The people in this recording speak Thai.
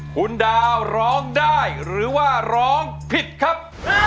คุณดาวร้องได้หรือว่าร้องผิดครับ